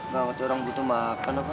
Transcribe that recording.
gak ngerti orang butuh makan apaan